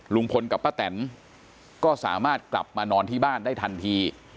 ลุงพลกับป้าแตนก็สามารถกลับมานอนที่บ้านได้ทันที